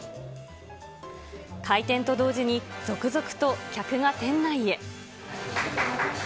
開店と同時に、続々と客が店内へ。